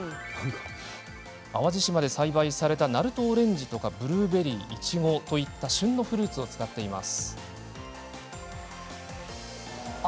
淡路島で栽培された鳴門オレンジやブルーベリーいちごといった旬のフルーツを使っています。